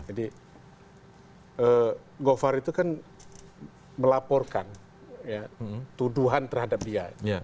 jadi govar itu kan melaporkan tuduhan terhadap dia